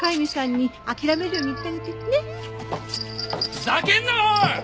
ふざけんなおい！